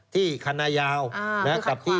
ที่คันหน้ายาวกับที่